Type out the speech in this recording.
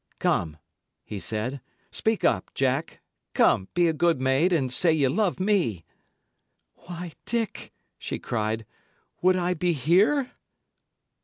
"Come," he said, "speak up, Jack. Come, be a good maid, and say ye love me!" "Why, Dick," she cried, "would I be here?"